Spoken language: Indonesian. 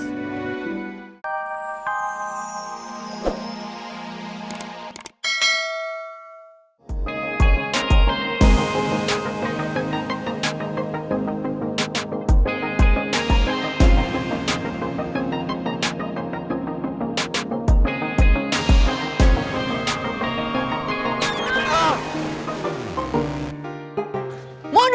bokap gue ditangkap polisi